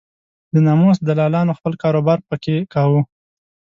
د ناموس دلالانو خپل کار و بار په کې کاوه.